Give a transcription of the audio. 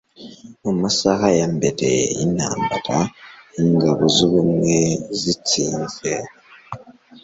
mu masaha ya mbere yintambara, ingabo zubumwe zatsinze